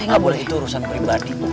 nggak boleh itu urusan pribadi